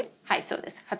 はいそうです。